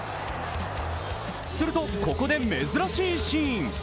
すると、ここで珍しいシーン。